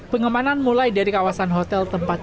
pengemanan mulai dari kawasan hotel tempat